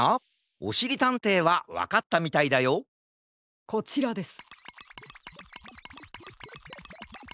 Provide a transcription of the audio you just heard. おしりたんていはわかったみたいだよこちらです。